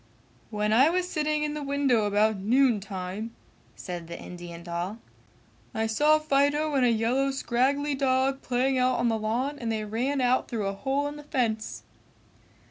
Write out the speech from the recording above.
"When I was sitting in the window about noon time," said the Indian doll, "I saw Fido and a yellow scraggly dog playing out on the lawn and they ran out through a hole in the fence!"